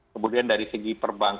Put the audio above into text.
kemudian dari segi perbankan